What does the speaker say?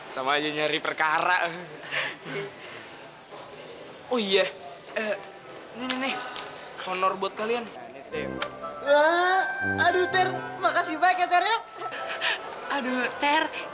sama aja nyari perkara oh iya ini nih honor buat kalian aduh terima kasih baiknya terima aduh terima